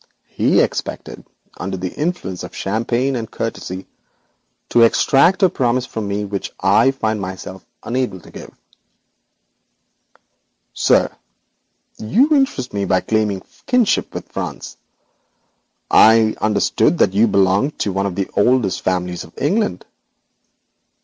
He expected, under the influence of champagne and courtesy, to extract a promise from me which I must find myself unable to give. 'Sir, you interest me by claiming kinship with France. I had understood that you belonged to one of the oldest families of England.'